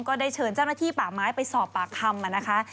ก็ได้เชิญเจ้าหน้าที่ป่าไม้ไปสอบปากคำนะคะ